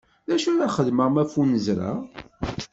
D acu ara xedmeɣ ma ffunezreɣ?